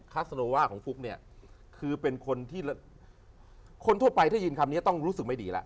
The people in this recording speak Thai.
ัสโนว่าของฟุ๊กเนี่ยคือเป็นคนที่คนทั่วไปได้ยินคำนี้ต้องรู้สึกไม่ดีแล้ว